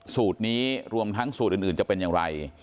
สูตรนี้รวมทั้งสูตรอื่นจะเป็นอย่างไร